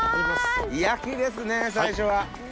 焼きですね最初は。